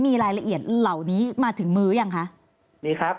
มีรายละเอียดเหล่านี้มาถึงมืออย่างคะ